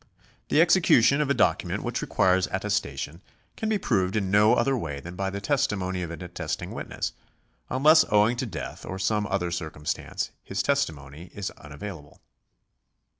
The execution of a document which requires attestation can be proved in no other way than by the testimony of an attesting witness, un less owing to death or some other circumstance his testimony is unavailable.